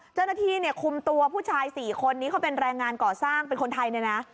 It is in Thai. เจ้าหน้าที่เนี่ยคุมตัวผู้ชาย๔คนนี้เขาเป็นแรงงานก่อสร้างเป็นคนไทยเนี่ยนะ